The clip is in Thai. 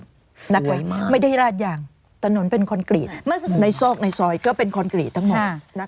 ไว้ไม่ได้ราดยางถนนเป็นคอนกรีตในซอกในซอยก็เป็นคอนกรีตทั้งหมด